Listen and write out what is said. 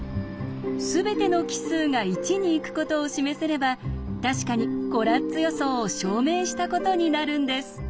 すべての奇数が１に行くことを示せれば確かにコラッツ予想を証明したことになるんです。